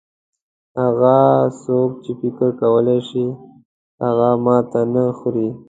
هغه څوک چې فکر کولای شي هغه ماته نه خوري.